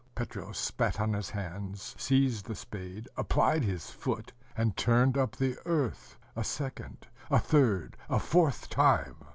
Petro spat on his hands, seized the spade, applied his foot, and turned up the earth, a second, a third, a fourth time.